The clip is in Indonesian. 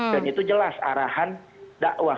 dan itu jelas arahan dakwah